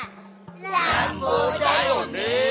らんぼうだよね。